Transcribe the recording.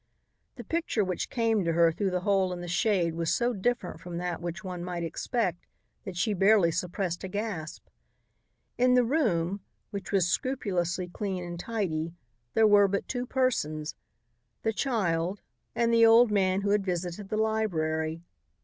The picture which came to her through the hole in the shade was so different from that which one might expect that she barely suppressed a gasp. In the room, which was scrupulously clean and tidy, there were but two persons, the child and the old man who had visited the library.